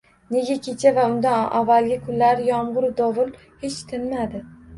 Nega kecha va undan avvalgi kunlar yomg’iru-dovul hech tinmadi.